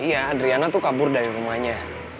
iya adriana tuh kabur dari rumahnya